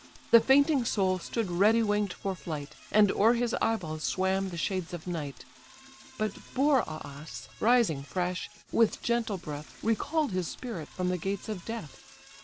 The fainting soul stood ready wing'd for flight, And o'er his eye balls swam the shades of night; But Boreas rising fresh, with gentle breath, Recall'd his spirit from the gates of death.